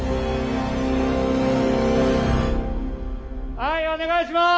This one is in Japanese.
はいお願いします！